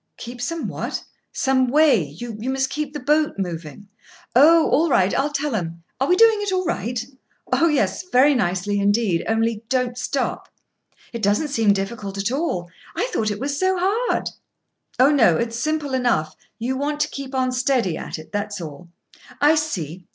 "Keep some what?" "Some way—you must keep the boat moving." "Oh, all right, I'll tell 'em. Are we doing it all right?" "Oh, yes, very nicely, indeed, only don't stop." "It doesn't seem difficult at all. I thought it was so hard." "Oh, no, it's simple enough. You want to keep on steady at it, that's all." "I see.